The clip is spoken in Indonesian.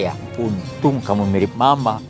ya untung kamu mirip mama